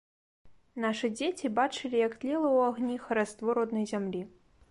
Нашы дзеці бачылі, як тлела ў агні хараство роднай зямлі.